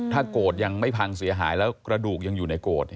โกรธยังไม่พังเสียหายแล้วกระดูกยังอยู่ในโกรธ